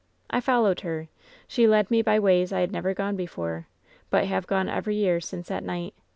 I followed her. She led me by ways I had never gone before, but have gone every year since that night.